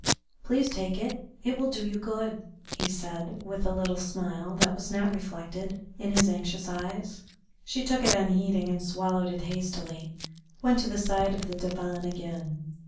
"Please take it. It will do you good," he said, with a little smile that was not reflected in his anxious eyes. She took it unheeding, and, swallowing it hastily, went to the side of the divan again.